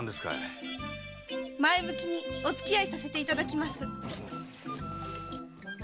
前向きにおつき合いさせていただきます！